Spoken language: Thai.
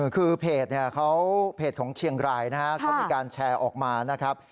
คือเพจของเชียงรายนะฮะเขามีการแชร์ออกมานะครับ